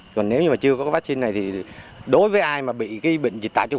còn nếu chưa có vaccine này đối với ai bị bệnh dịch tả châu phi